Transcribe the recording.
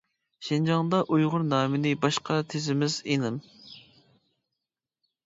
شىنجاڭدا «ئۇيغۇر» نامىنى باشقا تىزىمىز، ئىنىم!